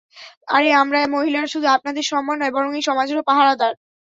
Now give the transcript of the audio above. আরে আমরা মহিলারা শুধু আপনাদের সম্মান নয়, বরং এই সমাজেরও পাহাড়াদার।